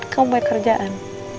kamu baik kerjaan